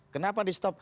kenapa di stop